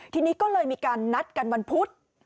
ทีนี้ก็เลยมีการนัดกันวันพุธ